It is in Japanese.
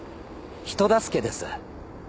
人助けです。